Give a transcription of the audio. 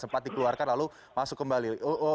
sempat dikeluarkan lalu masuk kembali